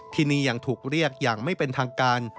ที่นี่ยังถูกเรียกอย่างไม่เป็นทางการ